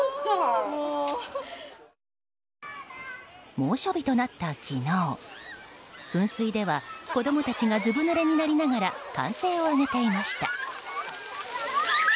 猛暑日となった昨日噴水では子供たちがずぶぬれになりながら歓声を上げていました。